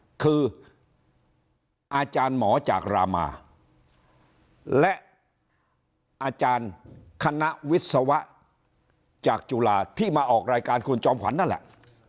คืออาจารย์หมอจากรามาและอาจารย์คณะวิศวะจากจุฬาที่มาออกรายการคุณจอมขวัญนั่นแหละ